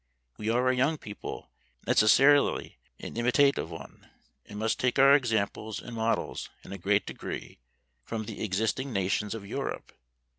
We are a young people, necessarily an imitative one, and must take our examples and models, in a great degree, from the existing nations of Europe.